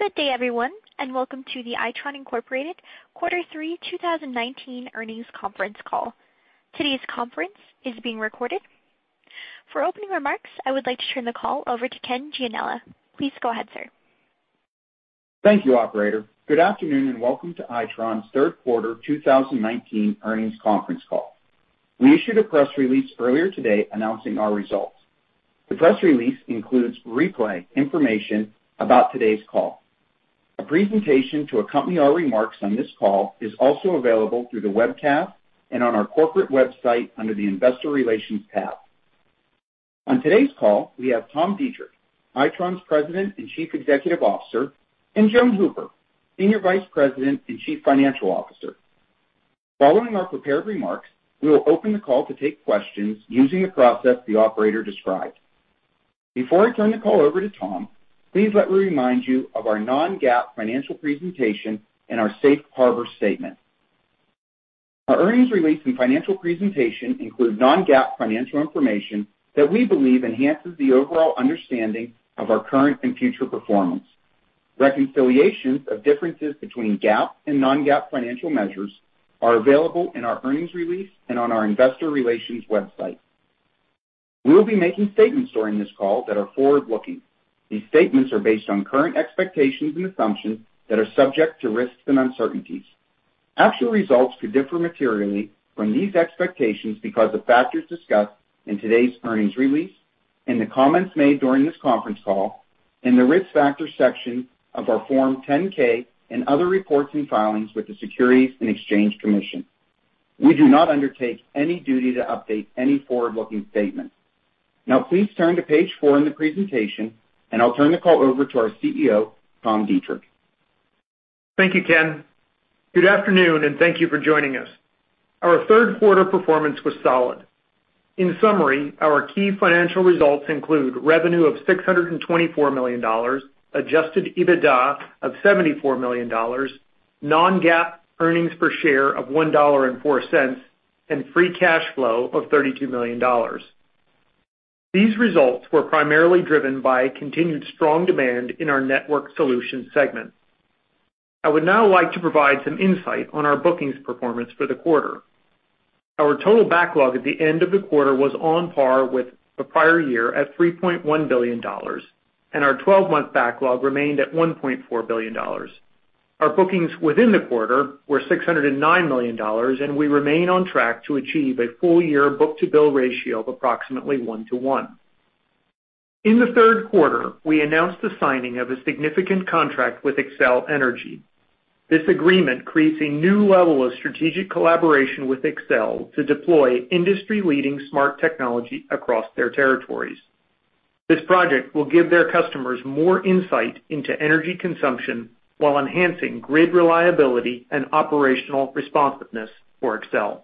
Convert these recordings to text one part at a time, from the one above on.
Good day, everyone. Welcome to the Itron, Inc. Quarter 3 2019 Earnings Conference Call. Today's conference is being recorded. For opening remarks, I would like to turn the call over to Kenneth Gianella. Please go ahead, sir. Thank you, operator. Good afternoon. Welcome to Itron's Third Quarter 2019 Earnings Conference Call. We issued a press release earlier today announcing our results. The press release includes replay information about today's call. A presentation to accompany our remarks on this call is also available through the webcast and on our corporate website under the investor relations tab. On today's call, we have Tom Deitrich, Itron's President and Chief Executive Officer, and Joan Hooper, Senior Vice President and Chief Financial Officer. Following our prepared remarks, we will open the call to take questions using the process the operator described. Before I turn the call over to Tom, please let me remind you of our non-GAAP financial presentation and our safe harbor statement. Our earnings release and financial presentation include non-GAAP financial information that we believe enhances the overall understanding of our current and future performance. Reconciliations of differences between GAAP and non-GAAP financial measures are available in our earnings release and on our investor relations website. We will be making statements during this call that are forward-looking. These statements are based on current expectations and assumptions that are subject to risks and uncertainties. Actual results could differ materially from these expectations because of factors discussed in today's earnings release and the comments made during this conference call, and the Risk Factors section of our Form 10-K and other reports and filings with the Securities and Exchange Commission. We do not undertake any duty to update any forward-looking statements. Now please turn to page four in the presentation, and I'll turn the call over to our CEO, Tom Deitrich. Thank you, Ken. Good afternoon, and thank you for joining us. Our third quarter performance was solid. In summary, our key financial results include revenue of $624 million, adjusted EBITDA of $74 million, non-GAAP earnings per share of $1.04, and free cash flow of $32 million. These results were primarily driven by continued strong demand in our Networked Solutions segment. I would now like to provide some insight on our bookings performance for the quarter. Our total backlog at the end of the quarter was on par with the prior year at $3.1 billion, and our 12-month backlog remained at $1.4 billion. Our bookings within the quarter were $609 million, and we remain on track to achieve a full-year book-to-bill ratio of approximately 1 to 1. In the third quarter, we announced the signing of a significant contract with Xcel Energy. This agreement creates a new level of strategic collaboration with Xcel to deploy industry-leading smart technology across their territories. This project will give their customers more insight into energy consumption while enhancing grid reliability and operational responsiveness for Xcel.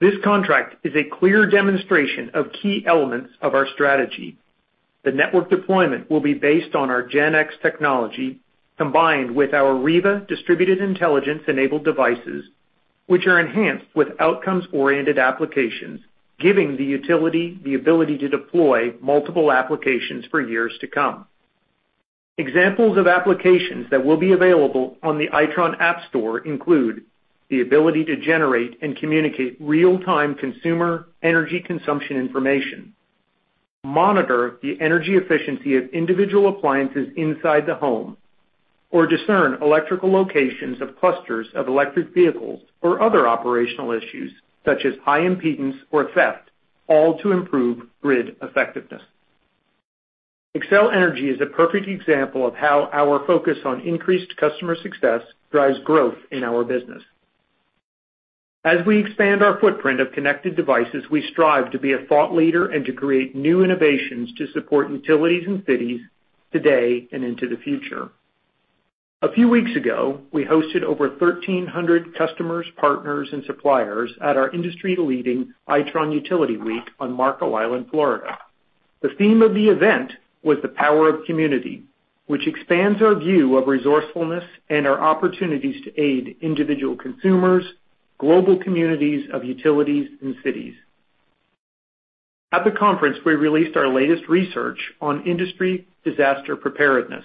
This contract is a clear demonstration of key elements of our strategy. The network deployment will be based on our Gen5 technology, combined with our Riva Distributed Intelligence-enabled devices, which are enhanced with outcomes-oriented applications, giving the utility the ability to deploy multiple applications for years to come. Examples of applications that will be available on the Itron App Store include the ability to generate and communicate real-time consumer energy consumption information, monitor the energy efficiency of individual appliances inside the home, or discern electrical locations of clusters of electric vehicles or other operational issues such as high impedance or theft, all to improve grid effectiveness. Xcel Energy is a perfect example of how our focus on increased customer success drives growth in our business. As we expand our footprint of connected devices, we strive to be a thought leader and to create new innovations to support utilities and cities today and into the future. A few weeks ago, we hosted over 1,300 customers, partners, and suppliers at our industry-leading Itron Utility Week on Marco Island, Florida. The theme of the event was The Power of Community, which expands our view of resourcefulness and our opportunities to aid individual consumers, global communities of utilities, and cities. At the conference, we released our latest research on industry disaster preparedness.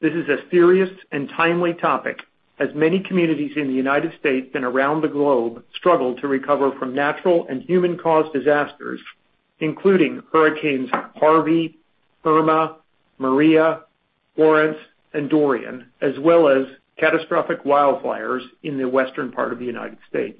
This is a serious and timely topic as many communities in the United States and around the globe struggle to recover from natural and human-caused disasters, including hurricanes Harvey, Irma, Maria, Florence, and Dorian, as well as catastrophic wildfires in the western part of the United States.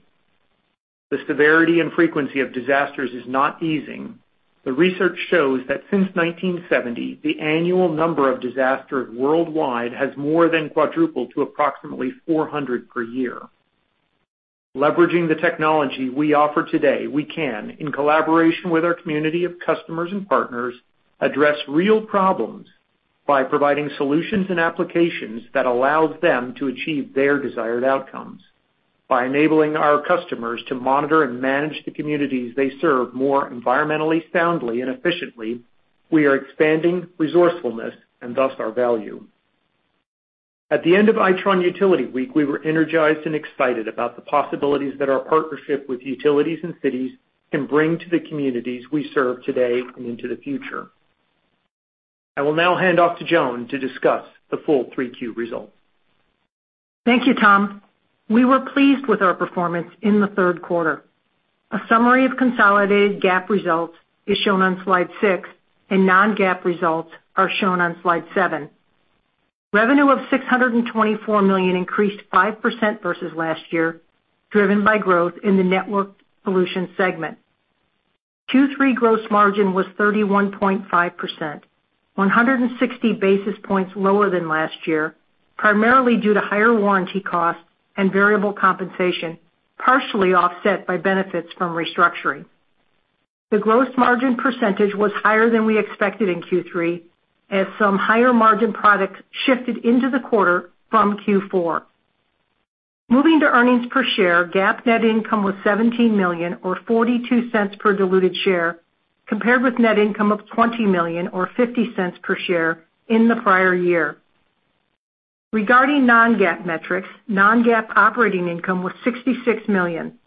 The severity and frequency of disasters is not easing. The research shows that since 1970, the annual number of disasters worldwide has more than quadrupled to approximately 400 per year. Leveraging the technology we offer today, we can, in collaboration with our community of customers and partners, address real problems by providing solutions and applications that allows them to achieve their desired outcomes. By enabling our customers to monitor and manage the communities they serve more environmentally soundly and efficiently, we are expanding resourcefulness and thus our value. At the end of Itron Utility Week, we were energized and excited about the possibilities that our partnership with utilities and cities can bring to the communities we serve today and into the future. I will now hand off to Joan to discuss the full 3Q results. Thank you, Tom. We were pleased with our performance in the third quarter. A summary of consolidated GAAP results is shown on slide six. Non-GAAP results are shown on slide seven. Revenue of $624 million increased 5% versus last year, driven by growth in the Networked Solutions segment. Q3 gross margin was 31.5%, 160 basis points lower than last year, primarily due to higher warranty costs and variable compensation, partially offset by benefits from restructuring. The gross margin percentage was higher than we expected in Q3, as some higher margin products shifted into the quarter from Q4. Moving to earnings per share, GAAP net income was $17 million, or $0.42 per diluted share, compared with net income of $20 million, or $0.50 per share in the prior year. Regarding non-GAAP metrics, non-GAAP operating income was $66 million.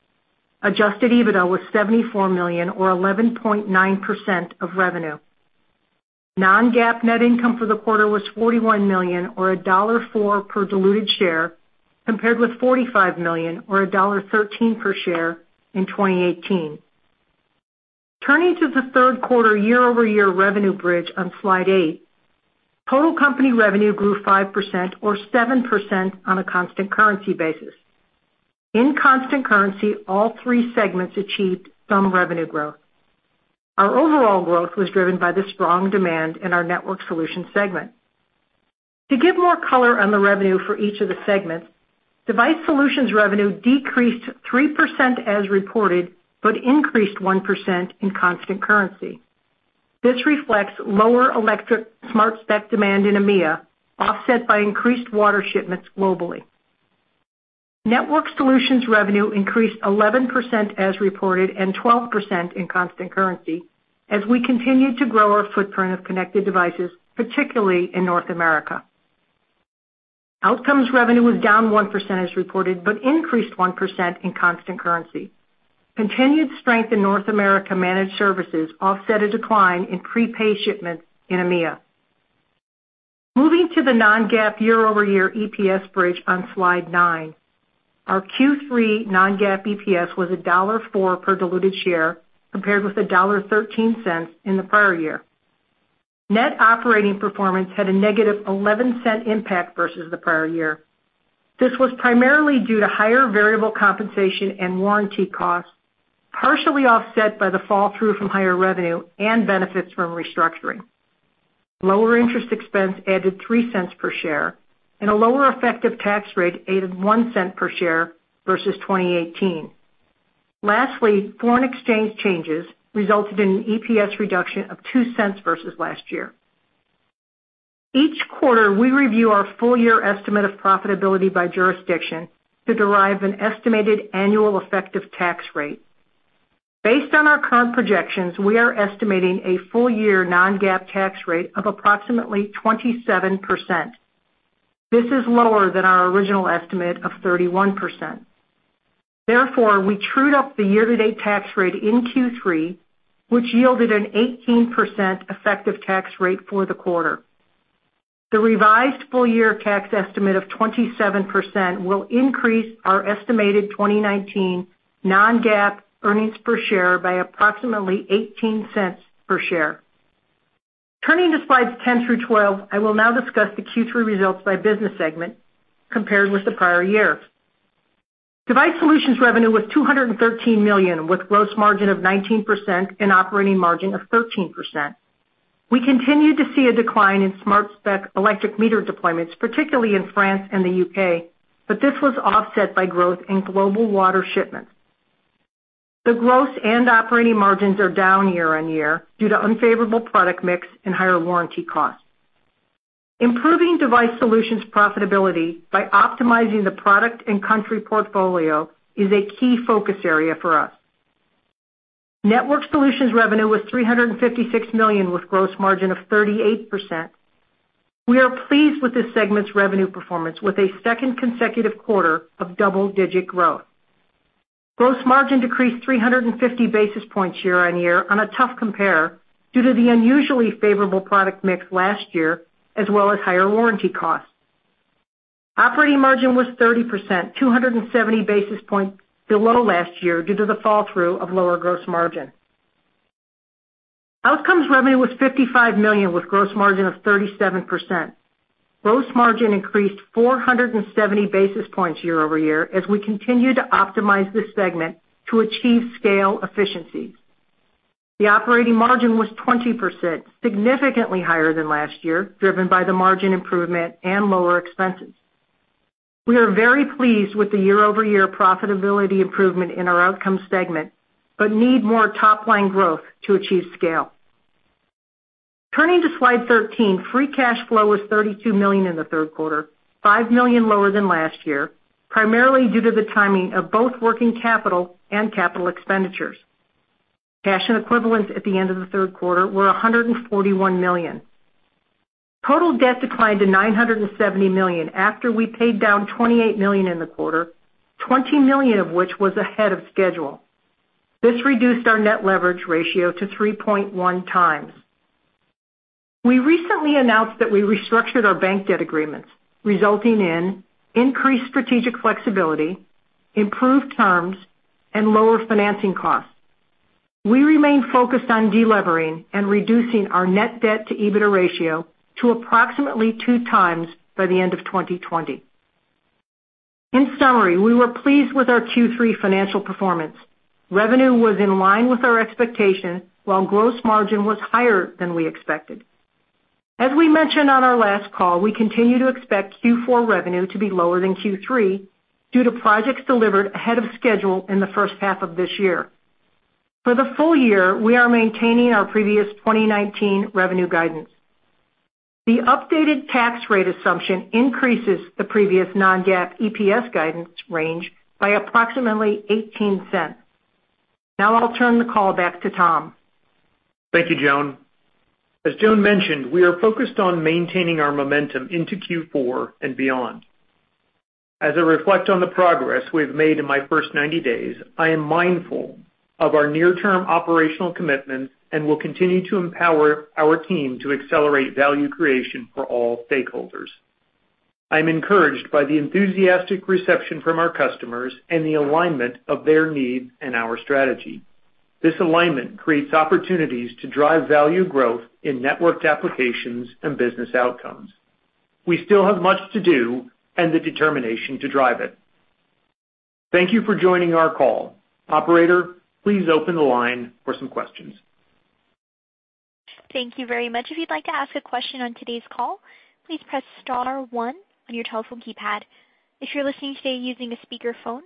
Adjusted EBITDA was $74 million, or 11.9% of revenue. Non-GAAP net income for the quarter was $41 million, or $1.04 per diluted share, compared with $45 million or $1.13 per share in 2018. Turning to the third quarter year-over-year revenue bridge on slide eight. Total company revenue grew 5% or 7% on a constant currency basis. In constant currency, all three segments achieved some revenue growth. Our overall growth was driven by the strong demand in our Networked Solutions segment. To give more color on the revenue for each of the segments, Device Solutions revenue decreased 3% as reported, but increased 1% in constant currency. This reflects lower electric Smart Spec demand in EMEA, offset by increased water shipments globally. Networked Solutions revenue increased 11% as reported and 12% in constant currency, as we continued to grow our footprint of connected devices, particularly in North America. Outcomes revenue was down 1% as reported, but increased 1% in constant currency. Continued strength in North America Managed Services offset a decline in prepaid shipments in EMEA. Moving to the non-GAAP year-over-year EPS bridge on Slide nine. Our Q3 non-GAAP EPS was $1.04 per diluted share, compared with $1.13 in the prior year. Net operating performance had a negative $0.11 impact versus the prior year. This was primarily due to higher variable compensation and warranty costs, partially offset by the fall through from higher revenue and benefits from restructuring. Lower interest expense added $0.03 per share, and a lower effective tax rate added $0.01 per share versus 2018. Lastly, foreign exchange changes resulted in an EPS reduction of $0.02 versus last year. Each quarter, we review our full year estimate of profitability by jurisdiction to derive an estimated annual effective tax rate. Based on our current projections, we are estimating a full year non-GAAP tax rate of approximately 27%. This is lower than our original estimate of 31%. Therefore, we trued up the year-to-date tax rate in Q3, which yielded an 18% effective tax rate for the quarter. The revised full-year tax estimate of 27% will increase our estimated 2019 non-GAAP earnings per share by approximately $0.18 per share. Turning to slides 10 through 12, I will now discuss the Q3 results by business segment compared with the prior year. Device Solutions revenue was $213 million, with gross margin of 19% and operating margin of 13%. We continued to see a decline in Smart Spec electric meter deployments, particularly in France and the U.K., but this was offset by growth in global water shipments. The gross and operating margins are down year-on-year due to unfavorable product mix and higher warranty costs. Improving Device Solutions profitability by optimizing the product and country portfolio is a key focus area for us. Networked Solutions revenue was $356 million, with gross margin of 38%. We are pleased with this segment's revenue performance, with a second consecutive quarter of double-digit growth. Gross margin decreased 350 basis points year-on-year on a tough compare, due to the unusually favorable product mix last year, as well as higher warranty costs. Operating margin was 30%, 270 basis points below last year due to the fall through of lower gross margin. Outcomes revenue was $55 million with gross margin of 37%. Gross margin increased 470 basis points year-over-year as we continue to optimize this segment to achieve scale efficiencies. The operating margin was 20%, significantly higher than last year, driven by the margin improvement and lower expenses. We are very pleased with the year-over-year profitability improvement in our Outcomes segment, but need more top-line growth to achieve scale. Turning to Slide 13, free cash flow was $32 million in the third quarter, $5 million lower than last year, primarily due to the timing of both working capital and capital expenditures. Cash and equivalents at the end of the third quarter were $141 million. Total debt declined to $970 million after we paid down $28 million in the quarter, $20 million of which was ahead of schedule. This reduced our net leverage ratio to 3.1 times. We recently announced that we restructured our bank debt agreements, resulting in increased strategic flexibility, improved terms, and lower financing costs. We remain focused on de-levering and reducing our net debt-to-EBITDA ratio to approximately two times by the end of 2020. In summary, we were pleased with our Q3 financial performance. Revenue was in line with our expectation, while gross margin was higher than we expected. As we mentioned on our last call, Itron continue to expect Q4 revenue to be lower than Q3 due to projects delivered ahead of schedule in the first half of this year. For the full year, we are maintaining our previous 2019 revenue guidance. The updated tax rate assumption increases the previous non-GAAP EPS guidance range by approximately $0.18. Now I'll turn the call back to Tom. Thank you, Joan. As Joan mentioned, we are focused on maintaining our momentum into Q4 and beyond. As I reflect on the progress we have made in my first 90 days, I am mindful of our near-term operational commitments and will continue to empower our team to accelerate value creation for all stakeholders. I'm encouraged by the enthusiastic reception from our customers and the alignment of their needs and our strategy. This alignment creates opportunities to drive value growth in networked applications and business outcomes. We still have much to do and the determination to drive it. Thank you for joining our call. Operator, please open the line for some questions. Thank you very much. If you'd like to ask a question on today's call, please press * one on your telephone keypad. If you're listening today using a speakerphone,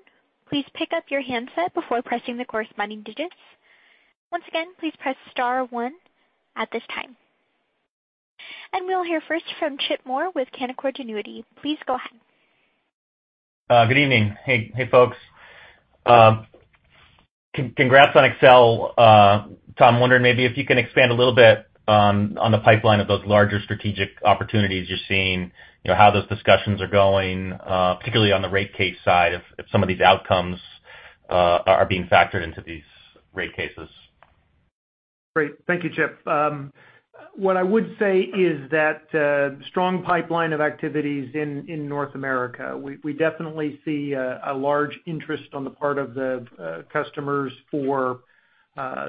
please pick up your handset before pressing the corresponding digits. Once again, please press * one at this time. We'll hear first from Chip Moore with Canaccord Genuity. Please go ahead. Good evening. Hey folks. Congrats on Xcel. Tom, wondering maybe if you can expand a little bit on the pipeline of those larger strategic opportunities you're seeing, how those discussions are going, particularly on the rate case side, if some of these outcomes are being factored into these rate cases? Great. Thank you, Chip. What I would say is that strong pipeline of activities in North America, we definitely see a large interest on the part of the customers for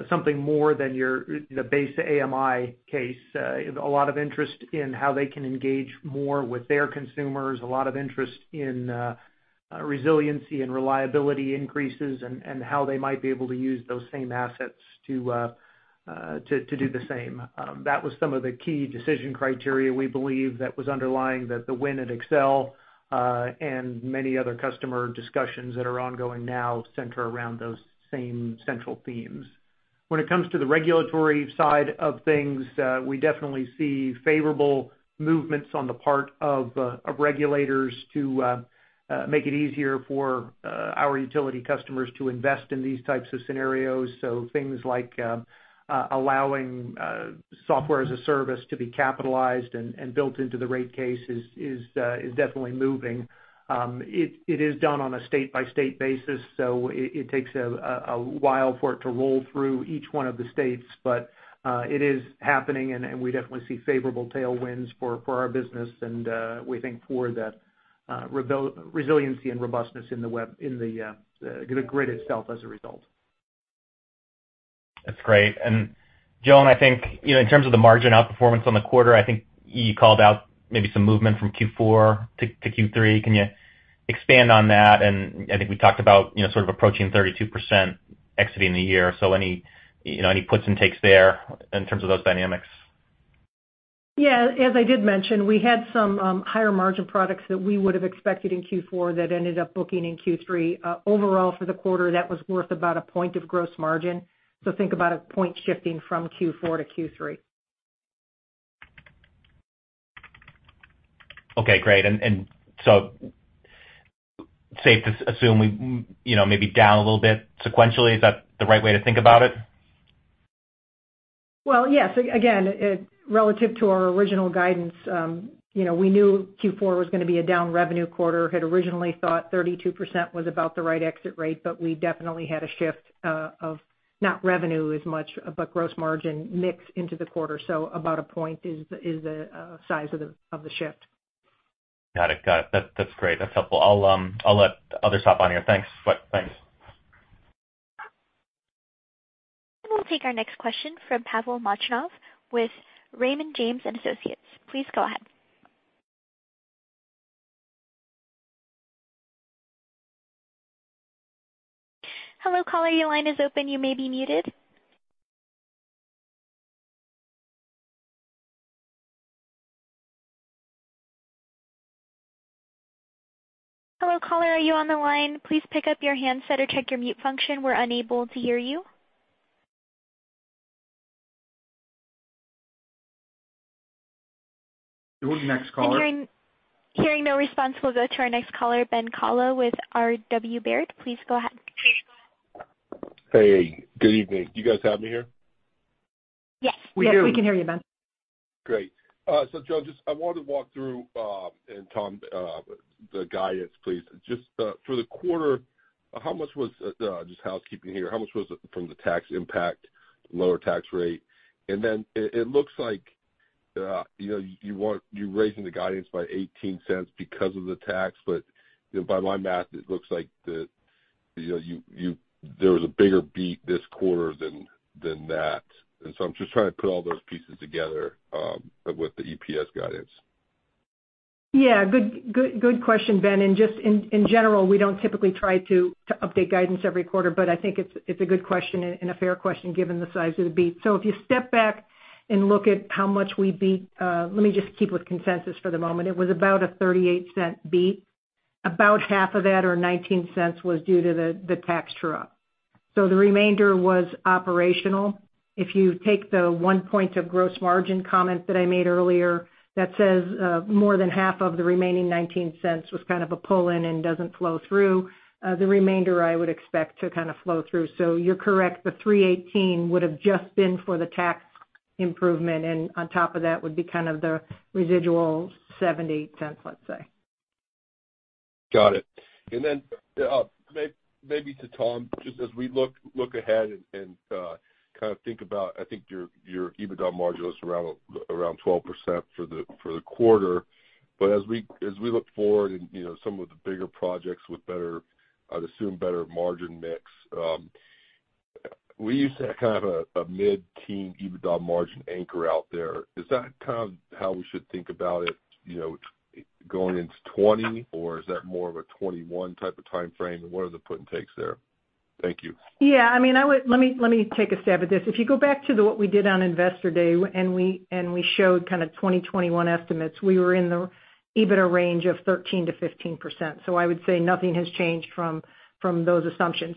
something more than the base AMI case. A lot of interest in how they can engage more with their consumers, a lot of interest in resiliency and reliability increases and how they might be able to use those same assets to do the same. That was some of the key decision criteria we believe that was underlying the win at Xcel, and many other customer discussions that are ongoing now center around those same central themes. When it comes to the regulatory side of things, we definitely see favorable movements on the part of regulators to make it easier for our utility customers to invest in these types of scenarios. Things like allowing software as a service to be capitalized and built into the rate case is definitely moving. It is done on a state-by-state basis, so it takes a while for it to roll through each one of the states. It is happening, and we definitely see favorable tailwinds for our business, and we think for the resiliency and robustness in the grid itself as a result. That's great. Joan, I think in terms of the margin outperformance on the quarter, I think you called out maybe some movement from Q4 to Q3. Can you expand on that? I think we talked about sort of approaching 32% exiting the year. Any puts and takes there in terms of those dynamics? Yeah, as I did mention, we had some higher margin products that we would've expected in Q4 that ended up booking in Q3. Overall for the quarter, that was worth about one point of gross margin. Think about one point shifting from Q4 to Q3. Okay, great. Safe to assume, maybe down a little bit sequentially. Is that the right way to think about it? Well, yes. Relative to our original guidance, we knew Q4 was going to be a down revenue quarter, had originally thought 32% was about the right exit rate, but we definitely had a shift of not revenue as much, but gross margin mix into the quarter. About a point is the size of the shift. Got it. That's great. That's helpful. I'll let others hop on here. Thanks. We'll take our next question from Pavel Molchanov with Raymond James & Associates. Please go ahead. Hello, caller, your line is open, you may be muted. Hello, caller, are you on the line? Please pick up your handset or check your mute function. We're unable to hear you We'll do next caller. Hearing no response, we'll go to our next caller, Ben Kallo with R.W. Baird. Please go ahead. Hey, good evening. Do you guys have me here? Yes. We do. Yes, we can hear you, Ben. Great. Joan, I wanted to walk through, and Tom, the guidance, please. Just for the quarter, just housekeeping here, how much was it from the tax impact, lower tax rate? It looks like you're raising the guidance by $0.18 because of the tax, but by my math, it looks like there was a bigger beat this quarter than that. I'm just trying to put all those pieces together with the EPS guidance. Yeah, good question, Ben. Just in general, we don't typically try to update guidance every quarter, but I think it's a good question and a fair question given the size of the beat. If you step back and look at how much we beat, let me just keep with consensus for the moment. It was about a $0.38 beat. About half of that, or $0.19, was due to the tax true-up. The remainder was operational. If you take the 1 point of gross margin comment that I made earlier, that says more than half of the remaining $0.19 was kind of a pull-in and doesn't flow through. The remainder I would expect to kind of flow through. You're correct, the 3.18 would've just been for the tax improvement, and on top of that would be kind of the residual $0.07, $0.08, let's say. Got it. Maybe to Tom, just as we look ahead and think about, I think your EBITDA margin was around 12% for the quarter. As we look forward and some of the bigger projects with I'd assume better margin mix. We used to have kind of a mid-teen EBITDA margin anchor out there. Is that how we should think about it going into 2020? Or is that more of a 2021 type of timeframe? What are the put and takes there? Thank you. Yeah. Let me take a stab at this. If you go back to what we did on Investor Day, and we showed kind of 2021 estimates, we were in the EBITDA range of 13%-15%. I would say nothing has changed from those assumptions.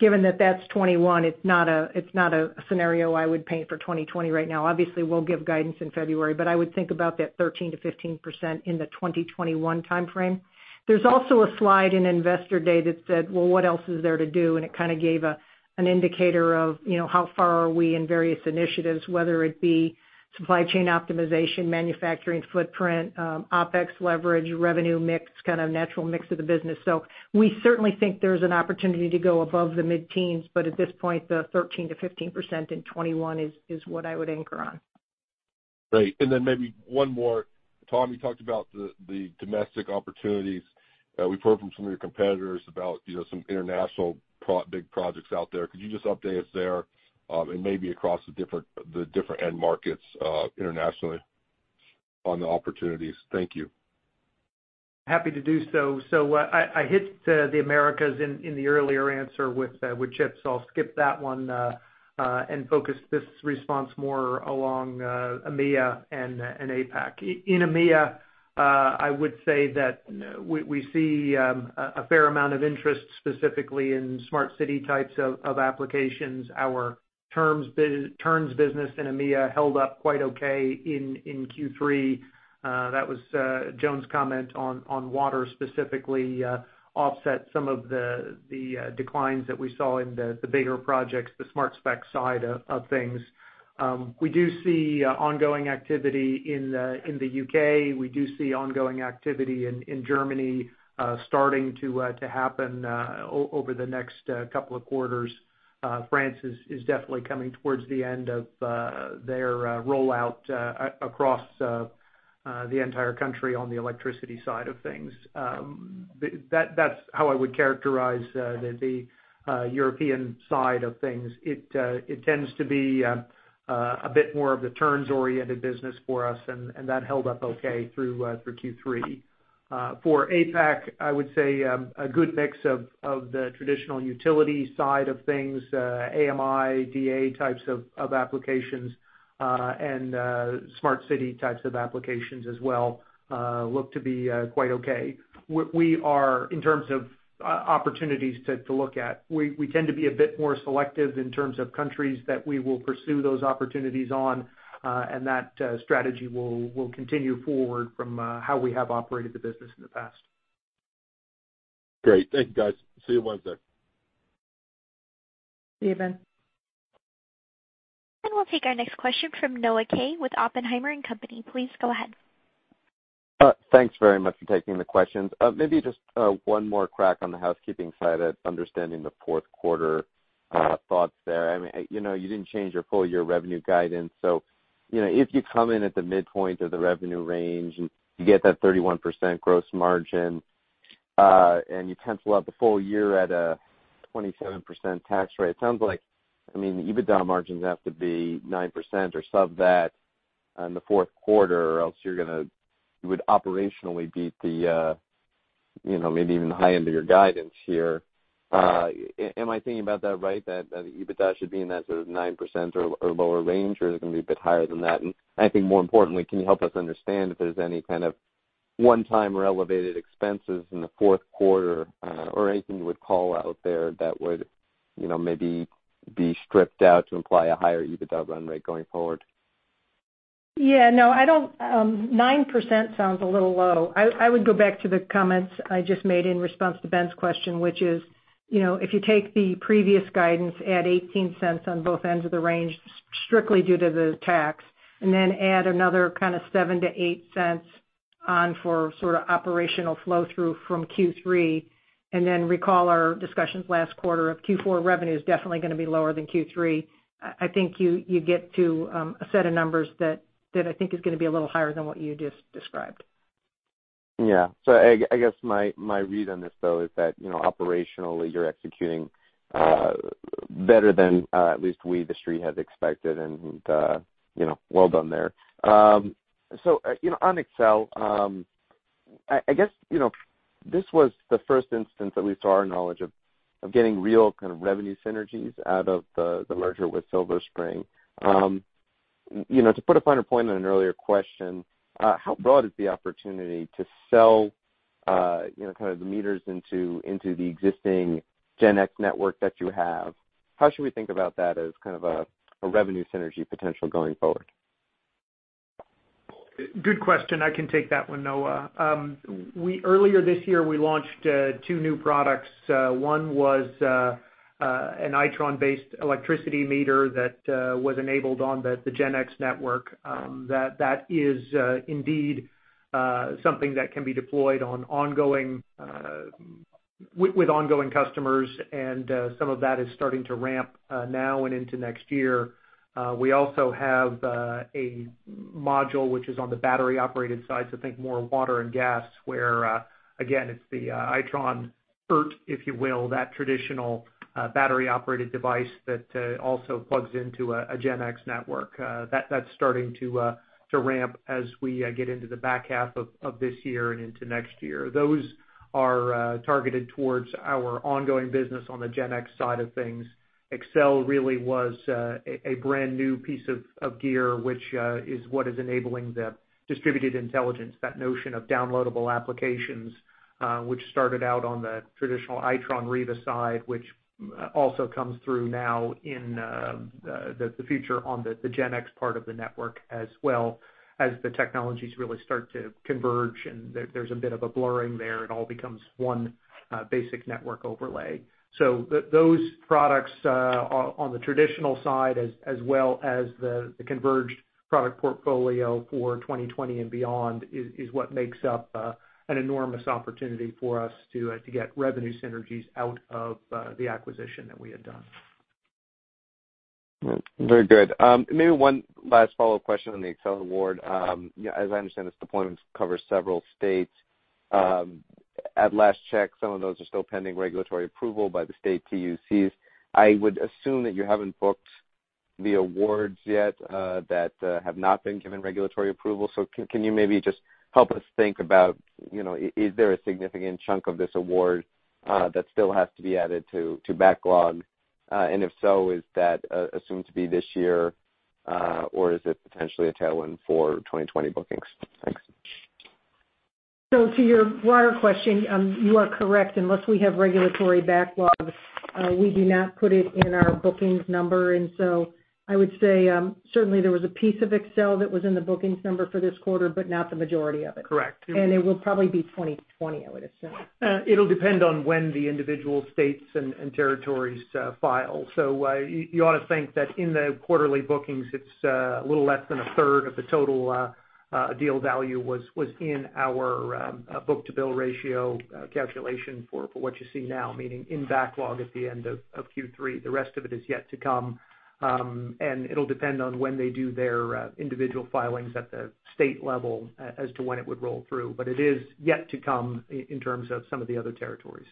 Given that that's 2021, it's not a scenario I would paint for 2020 right now. Obviously, we'll give guidance in February. I would think about that 13%-15% in the 2021 timeframe. There's also a slide in Investor Day that said, well, what else is there to do? It kind of gave an indicator of how far are we in various initiatives, whether it be supply chain optimization, manufacturing footprint, OpEx leverage, revenue mix, kind of natural mix of the business. We certainly think there's an opportunity to go above the mid-teens, but at this point, the 13%-15% in 2021 is what I would anchor on. Great. Maybe one more. Tom, you talked about the domestic opportunities. We've heard from some of your competitors about some international big projects out there. Could you just update us there, and maybe across the different end markets internationally on the opportunities? Thank you. I hit the Americas in the earlier answer with Chip's, I'll skip that one and focus this response more along EMEA and APAC. In EMEA, I would say that we see a fair amount of interest, specifically in smart city types of applications. Itron's business in EMEA held up quite okay in Q3. That was Joan's comment on water specifically offset some of the declines that we saw in the bigger projects, the smart spec side of things. We do see ongoing activity in the U.K. We do see ongoing activity in Germany starting to happen over the next couple of quarters. France is definitely coming towards the end of their rollout across the entire country on the electricity side of things. That's how I would characterize the European side of things. It tends to be a bit more of the turns-oriented business for us. That held up okay through Q3. For APAC, I would say, a good mix of the traditional utility side of things. AMI, DA types of applications, and smart city types of applications as well look to be quite okay. In terms of opportunities to look at, we tend to be a bit more selective in terms of countries that we will pursue those opportunities on. That strategy will continue forward from how we have operated the business in the past. Great. Thank you, guys. See you Wednesday. See you, Ben. We'll take our next question from Noah Kaye with Oppenheimer & Company. Please go ahead. Thanks very much for taking the questions. Maybe just one more crack on the housekeeping side of understanding the fourth quarter thoughts there. You didn't change your full-year revenue guidance. If you come in at the midpoint of the revenue range, you get that 31% gross margin, you pencil out the full year at a 27% tax rate, it sounds like EBITDA margins have to be 9% or sub that in the fourth quarter, else you would operationally beat maybe even the high end of your guidance here. Am I thinking about that right? That EBITDA should be in that sort of 9% or lower range, is it going to be a bit higher than that? I think more importantly, can you help us understand if there's any kind of one time or elevated expenses in the fourth quarter, or anything you would call out there that would maybe be stripped out to imply a higher EBITDA run rate going forward. Yeah, no. 9% sounds a little low. I would go back to the comments I just made in response to Ben's question, which is, if you take the previous guidance, add $0.18 on both ends of the range strictly due to the tax, and then add another kind of $0.07-$0.08 on for sort of operational flow-through from Q3, and then recall our discussions last quarter of Q4 revenue is definitely going to be lower than Q3. I think you get to a set of numbers that I think is going to be a little higher than what you just described. I guess my read on this though is that, operationally you're executing better than at least we, the Street, had expected and well done there. On Xcel, I guess, this was the first instance, at least to our knowledge, of getting real kind of revenue synergies out of the merger with Silver Spring. To put a finer point on an earlier question, how broad is the opportunity to sell kind of the meters into the existing Gen5 network that you have? How should we think about that as kind of a revenue synergy potential going forward? Good question. I can take that one, Noah. Earlier this year, we launched two new products. One was an Itron-based electricity meter that was enabled on the Gen5 network. That is indeed something that can be deployed with ongoing customers, and some of that is starting to ramp now and into next year. We also have a module which is on the battery-operated side, so think more water and gas, where, again, it's the Itron ERT, if you will, that traditional battery-operated device that also plugs into a Gen5 network. That's starting to ramp as we get into the back half of this year and into next year. Those are targeted towards our ongoing business on the Gen5 side of things. Xcel really was a brand new piece of gear, which is what is enabling the Distributed Intelligence, that notion of downloadable applications, which started out on the traditional Itron Riva side, which also comes through now in the future on the Gen5 part of the network as well as the technologies really start to converge and there's a bit of a blurring there. It all becomes one basic network overlay. Those products on the traditional side, as well as the converged product portfolio for 2020 and beyond, is what makes up an enormous opportunity for us to get revenue synergies out of the acquisition that we had done. Very good. Maybe one last follow-up question on the Xcel award. As I understand, this deployment covers several states. At last check, some of those are still pending regulatory approval by the state PUCs. I would assume that you haven't booked the awards yet that have not been given regulatory approval. Can you maybe just help us think about, is there a significant chunk of this award that still has to be added to backlog? If so, is that assumed to be this year, or is it potentially a tailwind for 2020 bookings? Thanks. To your wider question, you are correct. Unless we have regulatory backlog, we do not put it in our bookings number. I would say, certainly there was a piece of Xcel that was in the bookings number for this quarter, but not the majority of it. Correct. It will probably be 2020, I would assume. It'll depend on when the individual states and territories file. You ought to think that in the quarterly bookings, it's a little less than a third of the total deal value was in our book-to-bill ratio calculation for what you see now, meaning in backlog at the end of Q3. The rest of it is yet to come. It'll depend on when they do their individual filings at the state level as to when it would roll through. It is yet to come in terms of some of the other territories.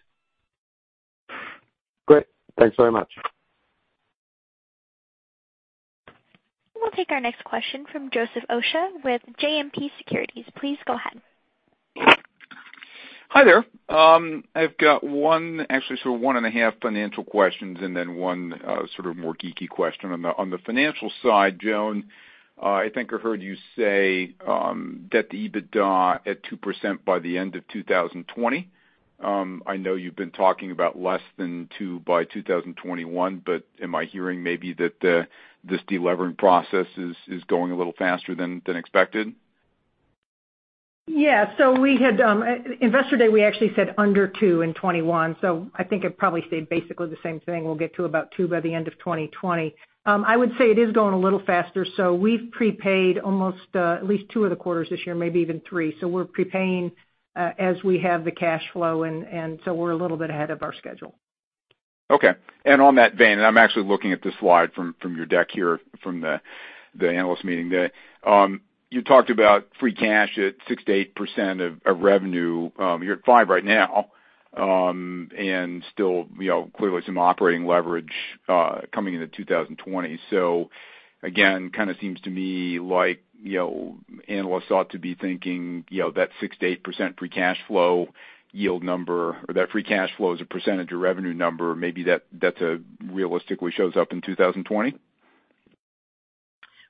Great. Thanks very much. We'll take our next question from Joseph Osha with JMP Securities. Please go ahead. Hi there. I've got one, actually sort of one and a half financial questions, and then one sort of more geeky question. On the financial side, Joan, I think I heard you say, debt to EBITDA at 2% by the end of 2020. I know you've been talking about less than two by 2021, am I hearing maybe that this de-levering process is going a little faster than expected? Yeah. At Investor Day, we actually said under two in 2021. I think it probably stayed basically the same thing. We'll get to about two by the end of 2020. I would say it is going a little faster. We've prepaid almost at least two of the quarters this year, maybe even three. We're prepaying as we have the cash flow, and so we're a little bit ahead of our schedule. Okay. On that vein, I'm actually looking at the slide from your deck here from the analyst meeting. You talked about free cash at 6%-8% of revenue. You're at 5% right now. Still, clearly some operating leverage coming into 2020. Again, kind of seems to me like analysts ought to be thinking that 6%-8% free cash flow yield number or that free cash flow as a percentage of revenue number, maybe that realistically shows up in 2020?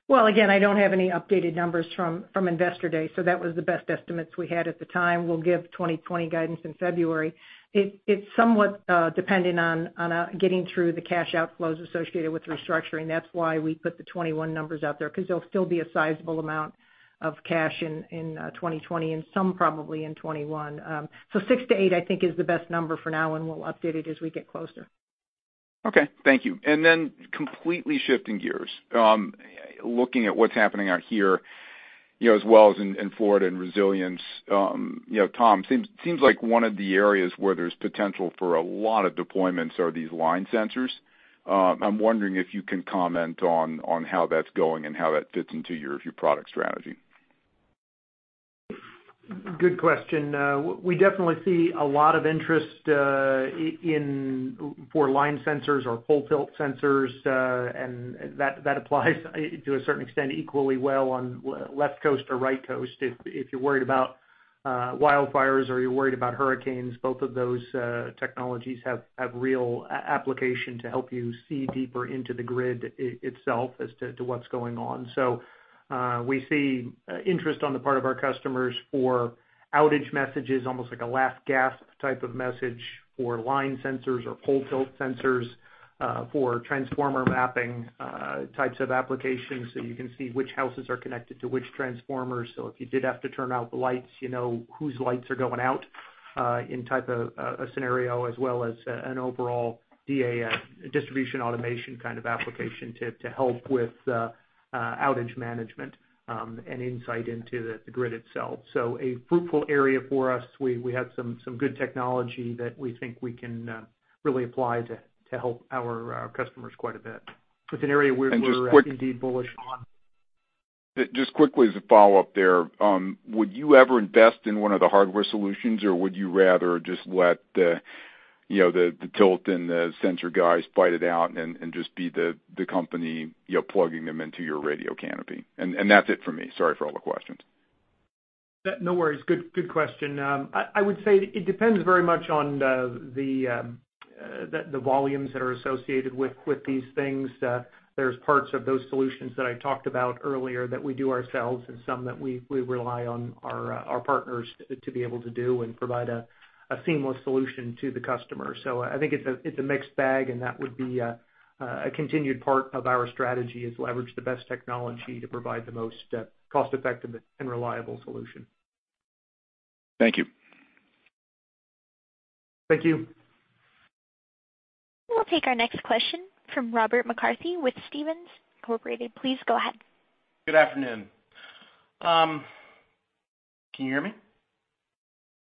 Well, again, I don't have any updated numbers from Investor Day. That was the best estimates we had at the time. We'll give 2020 guidance in February. It's somewhat dependent on getting through the cash outflows associated with restructuring. That's why we put the 2021 numbers out there. There'll still be a sizable amount of cash in 2020 and some probably in 2021. Six to eight, I think, is the best number for now, and we'll update it as we get closer. Okay. Thank you. Completely shifting gears. Looking at what's happening out here, as well as in Florida and resilience. Tom, seems like one of the areas where there's potential for a lot of deployments are these line sensors. I'm wondering if you can comment on how that's going and how that fits into your product strategy. Good question. We definitely see a lot of interest for line sensors or pole tilt sensors. That applies to a certain extent, equally well on left coast or right coast. If you're worried about wildfires or you're worried about hurricanes, both of those technologies have real application to help you see deeper into the grid itself as to what's going on. We see interest on the part of our customers for outage messages, almost like a last gasp type of message for line sensors or pole tilt sensors for transformer mapping types of applications, so you can see which houses are connected to which transformers. If you did have to turn out the lights, you know whose lights are going out in type of scenario, as well as an overall DAS, distribution automation kind of application to help with outage management and insight into the grid itself. A fruitful area for us. We have some good technology that we think we can really apply to help our customers quite a bit. And just quick- indeed bullish on. Just quickly as a follow-up there, would you ever invest in one of the hardware solutions, or would you rather just let the tilt and the sensor guys fight it out and just be the company plugging them into your radio canopy? That's it for me. Sorry for all the questions. No worries. Good question. I would say it depends very much on the volumes that are associated with these things. There's parts of those solutions that I talked about earlier that we do ourselves, and some that we rely on our partners to be able to do and provide a seamless solution to the customer. I think it's a mixed bag, and that would be a continued part of our strategy, is leverage the best technology to provide the most cost-effective and reliable solution. Thank you. Thank you. We'll take our next question from Robert McCarthy with Stephens Inc. Please go ahead. Good afternoon. Can you hear me?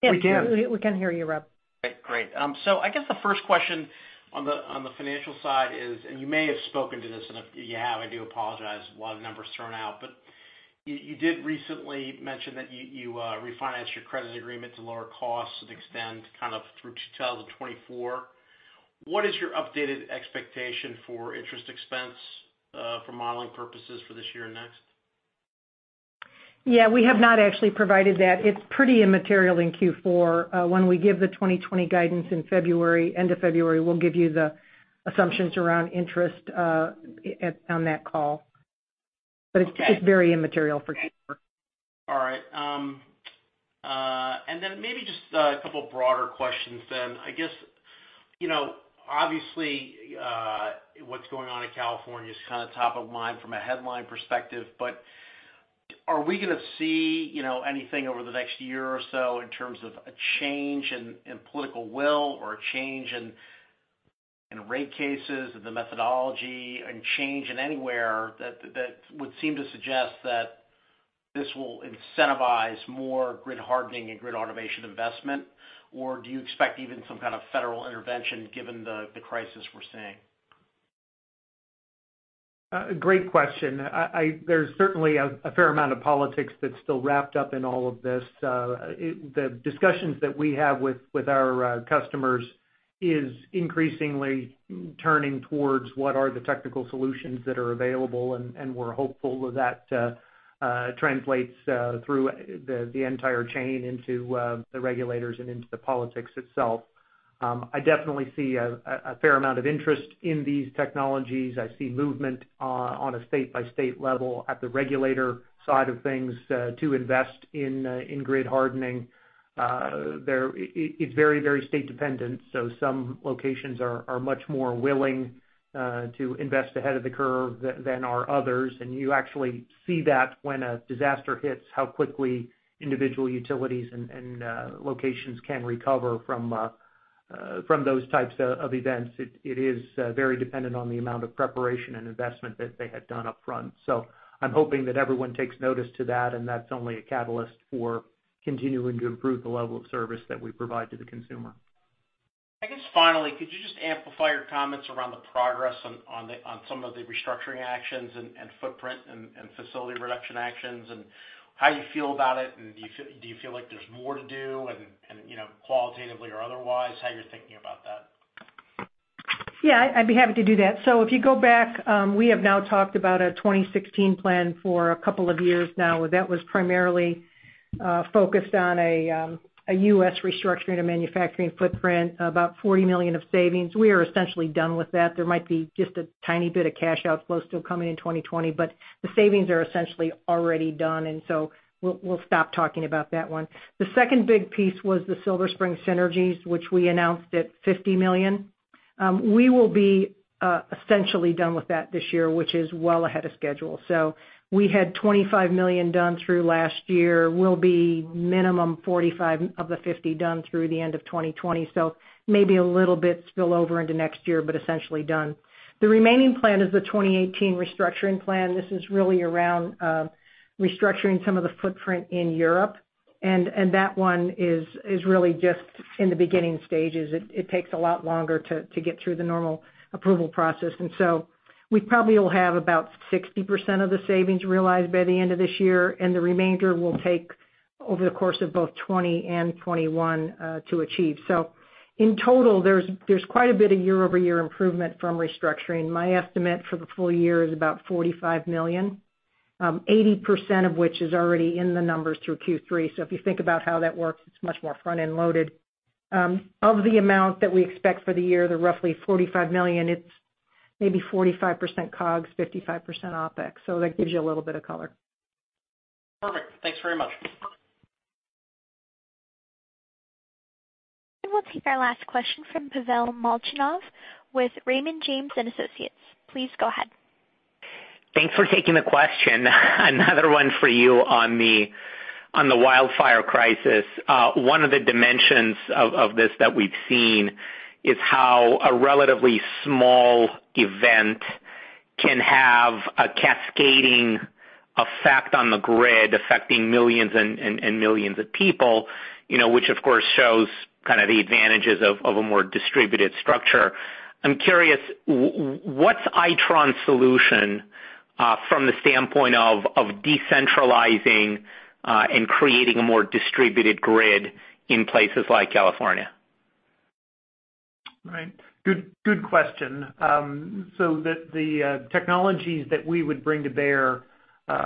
Yes. We can. We can hear you, Rob. Okay, great. I guess the first question on the financial side is, and you may have spoken to this, and if you have, I do apologize. A lot of numbers thrown out, but you did recently mention that you refinanced your credit agreement to lower costs and extend kind of through 2024. What is your updated expectation for interest expense for modeling purposes for this year and next? Yeah, we have not actually provided that. It's pretty immaterial in Q4. When we give the 2020 guidance in February, end of February, we'll give you the assumptions around interest on that call. Okay. It's very immaterial for Q4. All right. Maybe just a couple broader questions then. I guess, obviously, what's going on in California is kind of top of mind from a headline perspective, but are we going to see anything over the next year or so in terms of a change in political will or a change in rate cases or the methodology, a change in anywhere that would seem to suggest that this will incentivize more grid hardening and grid automation investment? Do you expect even some kind of federal intervention given the crisis we're seeing? Great question. There's certainly a fair amount of politics that's still wrapped up in all of this. The discussions that we have with our customers is increasingly turning towards what are the technical solutions that are available, and we're hopeful that translates through the entire chain into the regulators and into the politics itself. I definitely see a fair amount of interest in these technologies. I see movement on a state-by-state level at the regulator side of things to invest in grid hardening. It's very state dependent, so some locations are much more willing to invest ahead of the curve than are others. You actually see that when a disaster hits, how quickly individual utilities and locations can recover from those types of events. It is very dependent on the amount of preparation and investment that they had done upfront. I'm hoping that everyone takes notice to that, and that's only a catalyst for continuing to improve the level of service that we provide to the consumer. I guess finally, could you just amplify your comments around the progress on some of the restructuring actions and footprint and facility reduction actions, and how you feel about it, and do you feel like there's more to do? Otherwise, how you're thinking about that. Yeah, I'd be happy to do that. If you go back, we have now talked about a 2016 plan for a couple of years now. That was primarily focused on a U.S. restructuring, a manufacturing footprint, about $40 million of savings. We are essentially done with that. There might be just a tiny bit of cash outflow still coming in 2020, the savings are essentially already done, we'll stop talking about that one. The second big piece was the Silver Spring synergies, which we announced at $50 million. We will be essentially done with that this year, which is well ahead of schedule. We had $25 million done through last year, will be minimum $45 of the $50 done through the end of 2020. Maybe a little bit spill over into next year, essentially done. The remaining plan is the 2018 restructuring plan. This is really around restructuring some of the footprint in Europe. That one is really just in the beginning stages. It takes a lot longer to get through the normal approval process. We probably will have about 60% of the savings realized by the end of this year, and the remainder will take over the course of both 2020 and 2021 to achieve. In total, there's quite a bit of year-over-year improvement from restructuring. My estimate for the full year is about $45 million, 80% of which is already in the numbers through Q3. If you think about how that works, it's much more front-end loaded. Of the amount that we expect for the year, the roughly $45 million, it's maybe 45% COGS, 55% OPEX. That gives you a little bit of color. Perfect. Thanks very much. We'll take our last question from Pavel Molchanov with Raymond James & Associates. Please go ahead. Thanks for taking the question. Another one for you on the wildfire crisis. One of the dimensions of this that we've seen is how a relatively small event can have a cascading effect on the grid, affecting millions and millions of people, which of course shows kind of the advantages of a more distributed structure. I'm curious, what's Itron solution, from the standpoint of decentralizing and creating a more distributed grid in places like California? Right. Good question. The technologies that we would bring to bear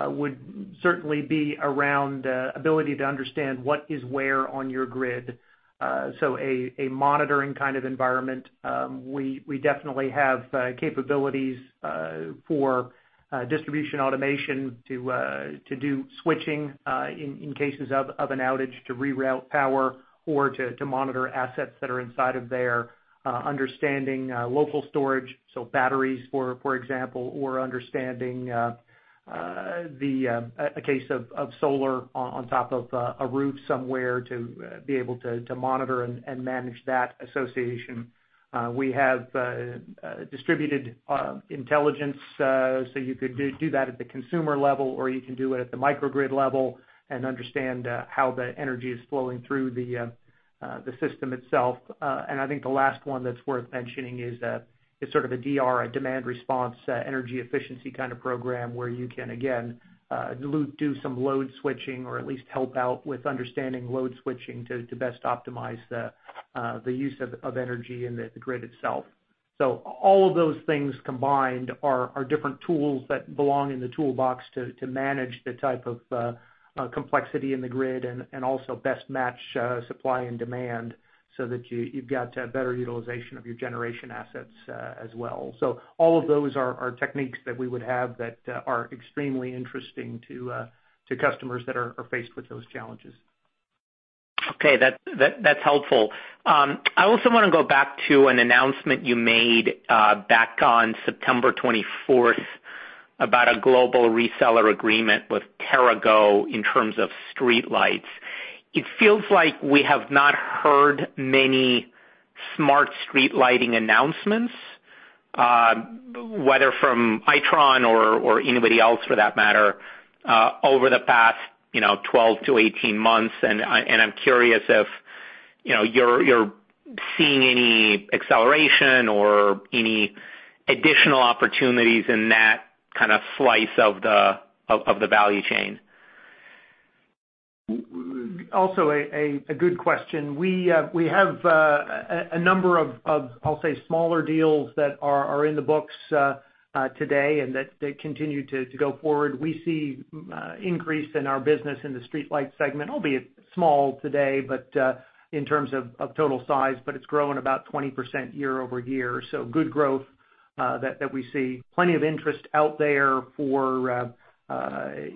would certainly be around ability to understand what is where on your grid. So a monitoring kind of environment. We definitely have capabilities for Distribution Automation to do switching, in cases of an outage to reroute power or to monitor assets that are inside of there. Understanding local storage, so batteries, for example, or understanding a case of solar on top of a roof somewhere to be able to monitor and manage that association. We have Distributed Intelligence, so you could do that at the consumer level, or you can do it at the microgrid level and understand how the energy is flowing through the system itself. I think the last one that's worth mentioning is sort of a DR, a demand response, energy efficiency kind of program where you can, again, do some load switching or at least help out with understanding load switching to best optimize the use of energy in the grid itself. All of those things combined are different tools that belong in the toolbox to manage the type of complexity in the grid and also best match supply and demand so that you've got better utilization of your generation assets as well. All of those are techniques that we would have that are extremely interesting to customers that are faced with those challenges. Okay. That's helpful. I also want to go back to an announcement you made back on September 24th about a global reseller agreement with TerraGo in terms of streetlights. It feels like we have not heard many smart street lighting announcements, whether from Itron or anybody else for that matter, over the past 12 to 18 months. I'm curious if you're seeing any acceleration or any additional opportunities in that kind of slice of the value chain. Also a good question. We have a number of, I'll say, smaller deals that are in the books today and that continue to go forward. We see increase in our business in the streetlight segment, albeit small today, but in terms of total size, but it's grown about 20% year-over-year. Good growth that we see. Plenty of interest out there for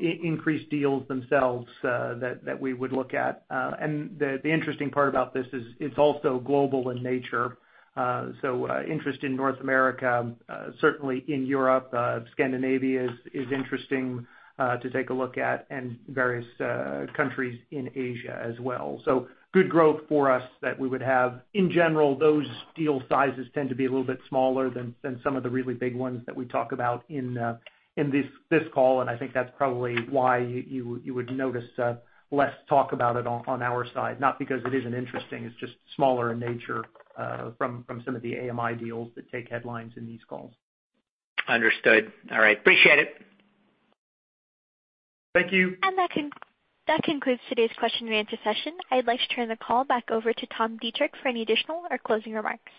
increased deals themselves that we would look at. The interesting part about this is it's also global in nature. Interest in North America, certainly in Europe. Scandinavia is interesting to take a look at and various countries in Asia as well. Good growth for us that we would have. In general, those deal sizes tend to be a little bit smaller than some of the really big ones that we talk about in this call. I think that's probably why you would notice less talk about it on our side. Not because it isn't interesting, it's just smaller in nature from some of the AMI deals that take headlines in these calls. Understood. All right. Appreciate it. Thank you. That concludes today's question and answer session. I'd like to turn the call back over to Tom Deitrich for any additional or closing remarks.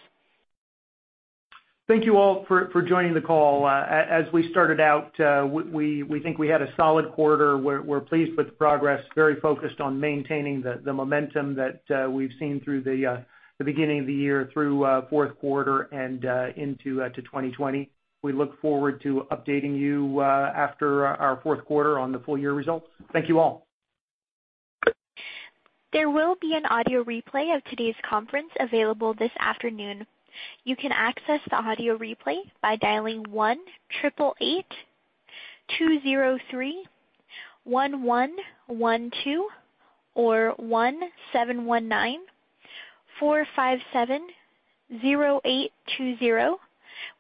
Thank you all for joining the call. As we started out, we think we had a solid quarter. We're pleased with the progress, very focused on maintaining the momentum that we've seen through the beginning of the year through fourth quarter and into 2020. We look forward to updating you after our fourth quarter on the full year results. Thank you all. There will be an audio replay of today's conference available this afternoon. You can access the audio replay by dialing 1-888-203-1112 or 1-719-457-0820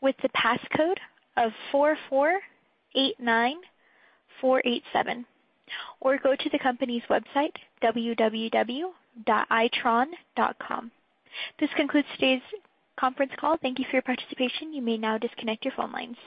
with the passcode of 4489487 or go to the company's website, www.itron.com. This concludes today's conference call. Thank you for your participation. You may now disconnect your phone lines.